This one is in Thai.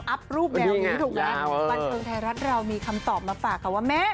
รูปแนวนี้ถูกแล้วบันเทิงไทยรัฐเรามีคำตอบมาฝากค่ะว่าแม่